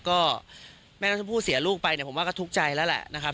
ก็แม่น้องชมพู่เสียลูกไปเนี่ยผมว่าก็ทุกข์ใจแล้วแหละนะครับ